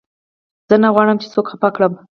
زه نه غواړم، چي څوک خفه کړم.